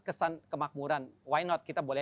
kesan kemakmuran why not kita boleh